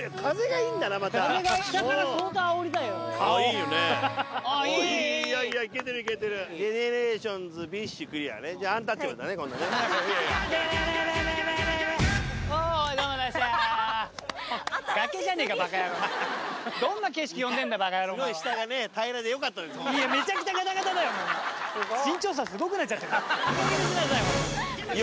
いいかげんにしなさい。